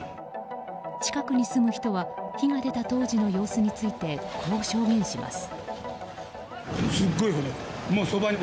近くの住む人は火が出た当時の様子についてこう証言します。